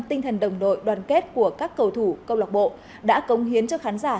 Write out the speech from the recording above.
tinh thần đồng đội đoàn kết của các cầu thủ công lạc bộ đã cống hiến cho khán giả